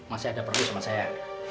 masih ada perut sama saya